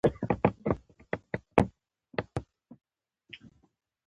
د ساکني قیدونو مانا د فعل له مانا سره بدلیږي.